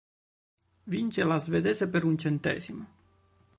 Vince la svedese per un centesimo.